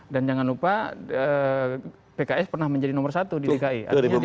dan jangan lupa pks pernah menjadi nomor satu di dki